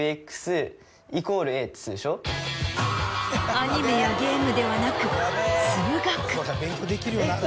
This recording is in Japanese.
アニメやゲームではなく。